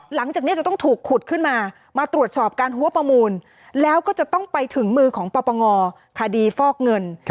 หลังจากนี้จะต้องถูกขุดขึ้นมามาตรวจสอบการหัวประมูลแล้วก็จะต้องไปถึงมือของปปงคดีฟอกเงิน